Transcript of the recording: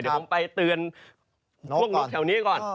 เดี๋ยวผมไปเตือนพวกนกแถวนี้ก่อน